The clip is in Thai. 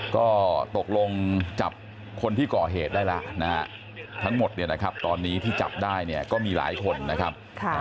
ก็ตกลงจับคนที่เกาะเหตุได้แล้วทั้งหมดตอนนี้ที่จับได้ก็มีหลายคนนะครับ